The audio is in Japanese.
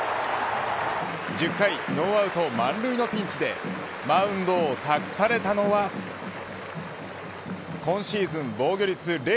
１０回ノーアウト満塁のピンチでマウンドを託されたのは今シーズン防御率